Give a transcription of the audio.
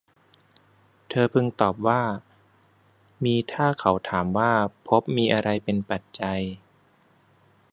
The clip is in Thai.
เธอพึงตอบว่า มีถ้าเขาถามว่า ภพมีอะไรเป็นปัจจัย